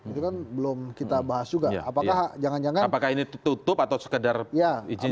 itu kan belum kita bahas juga apakah ini tutup atau sekedar izin